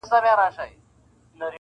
دردونه ژبه نه لري چي خلک وژړوم-